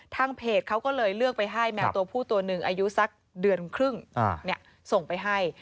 ทางเพจเขาก็เลยเลือกไปให้แมวตัวผู้ตัวหนึ่งอายุสักเดือนครึ่งส่งไปให้